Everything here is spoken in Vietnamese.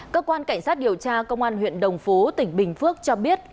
cơ quan cảnh sát điều tra công an huyện đồng phú tỉnh bình phước cho biết